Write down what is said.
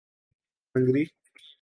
Hungary